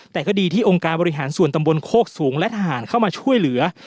แต่ก็ดีที่องค์การบริหารส่วนตำบลโคกสูงและทหารเข้ามาช่วยเหลือ